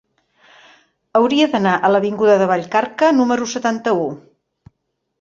Hauria d'anar a l'avinguda de Vallcarca número setanta-u.